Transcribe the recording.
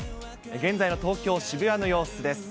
現在の東京・渋谷の様子です。